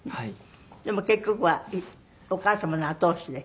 でも結局はお母様の後押しで？